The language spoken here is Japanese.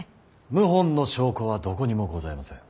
謀反の証拠はどこにもございません。